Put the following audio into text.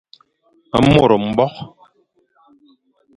Mo mbore